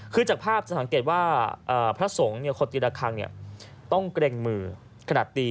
คือจากภาพจะสังเกตว่าพระสงฆ์คนตีระคังต้องเกร็งมือขนาดตี